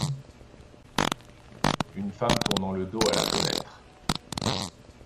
Une femme tournant le dos à la fenêtre